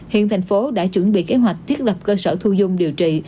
hiện thành phố đã chuẩn bị kế hoạch thiết lập cơ sở thu dung điều trị